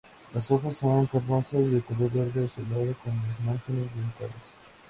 Las hojas son carnosas, de color verde azulado con los márgenes dentados.